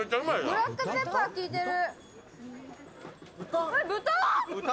ブラックペッパーがきいてる。